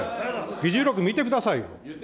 議事録見てくださいよ。